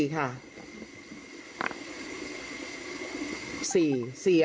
๔ค่ะ